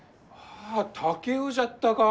あ竹雄じゃったか！